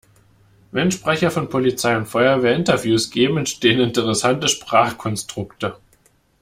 Wenn Sprecher von Polizei und Feuerwehr Interviews geben, entstehen interessante Sprachkonstrukte.